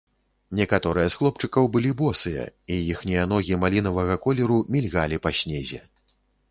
Некаторыя з хлопчыкаў былі босыя, і іхнія ногі малінавага колеру мільгалі па снезе.